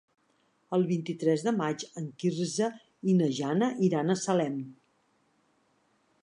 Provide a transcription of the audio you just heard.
El vint-i-tres de maig en Quirze i na Jana iran a Salem.